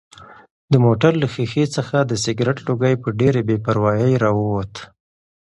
د موټر له ښیښې څخه د سګرټ لوګی په ډېرې بې پروایۍ راووت.